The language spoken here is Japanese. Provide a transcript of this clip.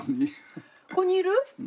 ここにいる？